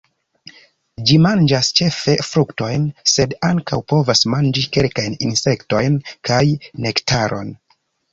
Ĝi manĝas ĉefe fruktojn, sed ankaŭ povas manĝi kelkajn insektojn kaj nektaron.